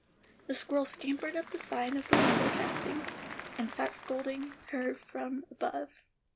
The squirrel scampered up the side of the window casing, and sat scolding her from above.